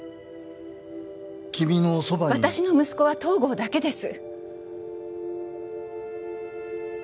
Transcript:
君のそばに私の息子は東郷だけです・